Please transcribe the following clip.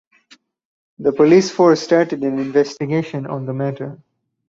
The police force started an investigation on the matter.